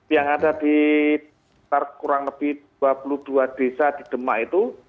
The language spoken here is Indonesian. yang ada di kurang lebih dua puluh dua desa di demak itu